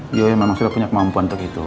bu yoyo memang sudah punya kemampuan untuk itu